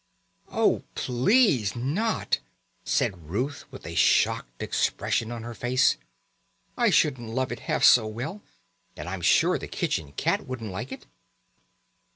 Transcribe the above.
"Oh, please not," said Ruth with a shocked expression on her face. "I shouldn't love it half so well, and I'm sure the kitchen cat wouldn't like it."